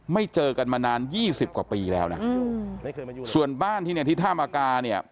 ไม่เจอกันมานาน๒๐กว่าปีแล้วนะส่วนบ้านที่ท่ามากาเนี่ย